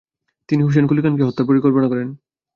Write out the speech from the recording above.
তিনি হোসেন কুলী খানকে হত্যার পরিকল্পনা করেন।